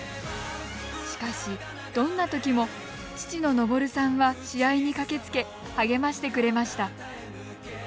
しかし、どんなときも父の昇さんは試合に駆けつけ励ましてくれました。